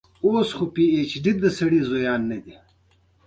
اوبه مې په وچه غاړه ولاړې.